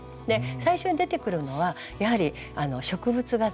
最初に出てくるのはやはり植物画図